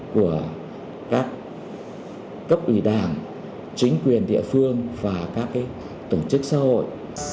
cảm ơn các cấp ủy đảng chính quyền địa phương và các tổ chức xã hội